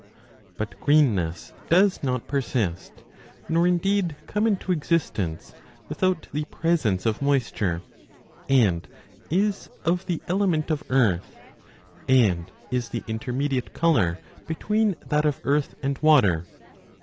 But greenness does not persist, nor indeed come into existence without the presence of moisture, and is of the element of earth, and is the inter mediate colour bet\veen that of earth and water.